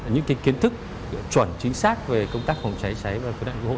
những kiến thức chuẩn chính xác về công tác phòng cháy cháy và quyết đoạn cứu hộ